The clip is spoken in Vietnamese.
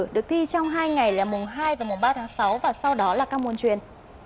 được thi trong hai ngày là mùng hai và mùng ba tháng sáu và sau đó là các môn truyền